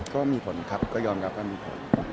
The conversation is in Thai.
ก็มีผลครับก็ยอมรับว่ามีผล